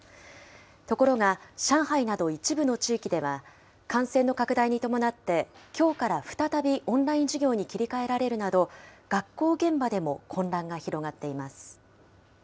ところが、上海など一部の地域では、感染の拡大に伴ってきょうから再び、オンライン授業に切り替えられるなど、学校現場でも混乱が広がっています。